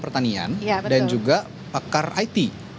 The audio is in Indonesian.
pertanian dan juga pakar it